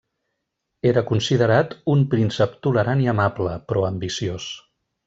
Era considerat un príncep tolerant i amable, però ambiciós.